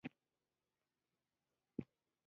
وګړي د افغانستان د تکنالوژۍ پرمختګ سره تړاو لري.